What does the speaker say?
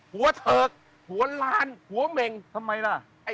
หัวเถิกหัวล้านหัวเหม็งทำไมล่ะ